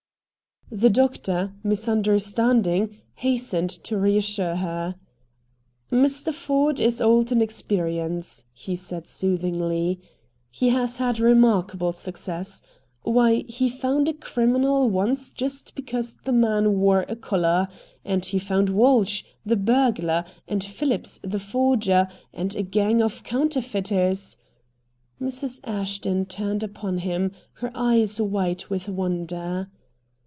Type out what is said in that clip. The doctor, misunderstanding, hastened to reassure her. "Mr. Ford is old in experience," he said soothingly. "He has had remarkable success. Why, he found a criminal once just because the man wore a collar. And he found Walsh, the burglar, and Phillips, the forger, and a gang of counterfeiters " Mrs. Ashton turned upon him, her eyes wide with wonder.